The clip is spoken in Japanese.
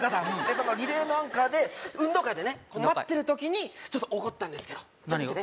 でそのリレーのアンカーで運動会でね待ってる時にちょっと起こったんですけど何が？